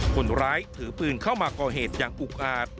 คนร้ายถือปืนเข้ามาก่อเหตุอย่างอุกอาจ